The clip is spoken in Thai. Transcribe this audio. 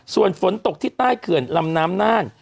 ส่วนฝนตกที่ใต้เขื่อนลำน้ำน่าน